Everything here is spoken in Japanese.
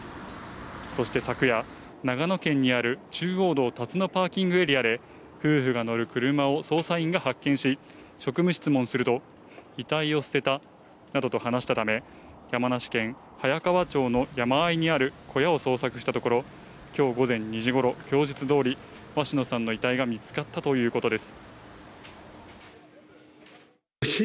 そして昨夜、長野県にある中央道・辰野パーキングエリアで夫婦が乗る車を捜査員が発見し、職務質問すると、遺体を捨てたなどと話したため、山梨県早川町の山間にある小屋を捜索したところ、今日午前２時頃、供述通り鷲野さんの遺体が見つかったということです。